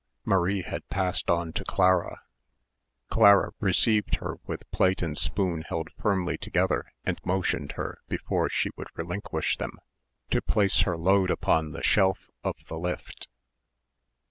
Marie had passed on to Clara. Clara received her with plate and spoon held firmly together and motioned her before she would relinquish them, to place her load upon the shelf of the lift.